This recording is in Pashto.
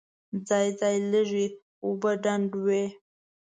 ځای ځای لږې اوبه ډنډ وې.